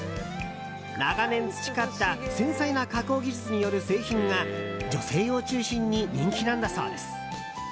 長年培った繊細な加工技術による製品が女性を中心に人気なんだそうです。